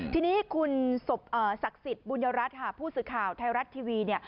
ทีนี้คุณศักดิ์สิทธิ์บุญรัฐค่ะผู้สื่อข่าวไทยรัฐทีวีเนี่ย